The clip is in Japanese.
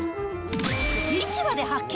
市場で発見！